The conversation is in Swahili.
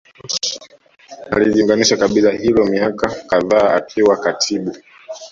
aliliunganisha kabila hilo miaka kafdhaa akiwa katibu